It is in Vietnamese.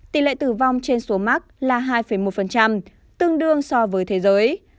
tỷ lệ tử vong trên số mắc là hai một tương đương so với thế giới